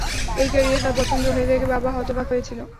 এই ক্যারিয়ার তার পছন্দ দেখে বাবা হতবাক হয়েছিলেন।